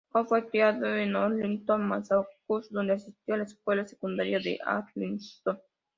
Cook fue criado en Arlington, Massachusetts, donde asistió a la Escuela Secundaria de Arlington.